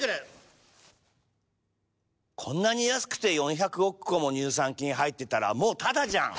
こんなに安くて４００億個も乳酸菌入ってたらもうタダじゃん！